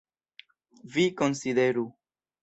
Vi konsideru!